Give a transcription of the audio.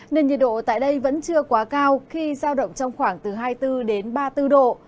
nên nhiệt độ tại đây vẫn chưa quá cao khi giao động trong khoảng từ hai mươi bốn đến ba mươi bốn độ